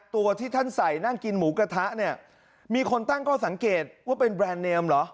ตัวที่ท่านใส่นั่งกินหมูกระทะเนี่ยมีคนตั้งข้อสังเกตว่าเป็นแบรนด์เนมเหรอ